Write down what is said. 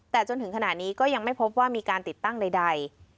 แต่จนถึงขณะนี้ก็ยังไม่พบว่ามีการติดตั้งใด